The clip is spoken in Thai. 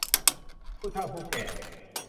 ผู้เฒ่าผู้แก่